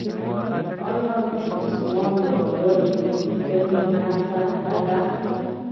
آیا د دسمال راوړل د کوژدې نښه نه ده؟